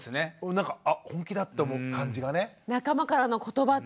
なんかあ本気だって思う感じがね。